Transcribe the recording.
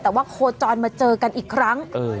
แต่ว่าโคจรมาเจอกันอีกครั้ง